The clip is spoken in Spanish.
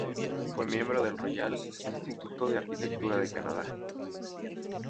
Fue miembro del Royal Architectural Institute of Canada.